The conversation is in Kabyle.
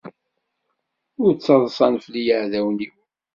Ur ttaḍṣan fell-i yiɛdawen-iw.